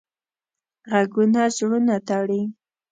غږونه زړونه تړي